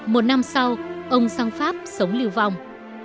một năm sau ông sang pháp sống lưu vong